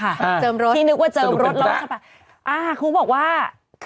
เจิมรถสนุกเป็นแป๊บที่นึกว่าเจิมรถใช่ป่ะอ่าคุณบอกว่า